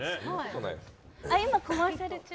今、コマーシャル中？